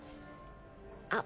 あっ